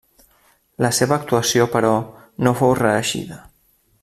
La seva actuació, però, no fou reeixida.